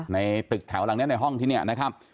ในตึกแถวหลังนี้ในห้องที่นี่นะครับ